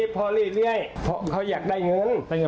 เพราะเขาอยากที่ได้เงิน